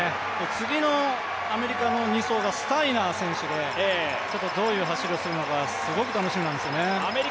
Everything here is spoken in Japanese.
次のアメリカの２走がスタイナー選手で、どういう走りをするのか、すごく楽しみなんですよね。